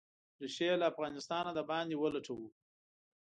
ریښې یې له افغانستانه د باندې ولټوو.